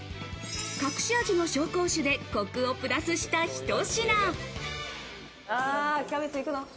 隠し味の紹興酒でコクをプラスした、ひと品。